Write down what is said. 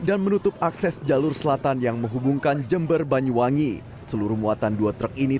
dan menutup akses jalur selatan yang menghubungkan jember banyuwangi seluruh muatan dua truk ini